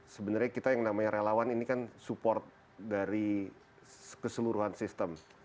sebenarnya kita yang namanya relawan ini kan support dari keseluruhan sistem